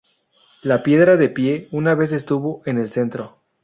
La piedra de pie una vez estuvo en el centro.